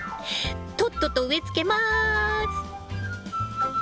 とっとと植えつけます。